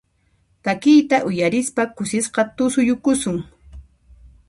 Takiqta uyarispa kusisqa tusuyukusun.